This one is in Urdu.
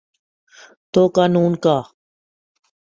تو قانون کا۔